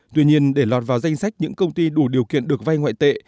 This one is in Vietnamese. tuy nhiên để lọt vào danh sách những công ty đủ điều kiện được vay ngoại tệ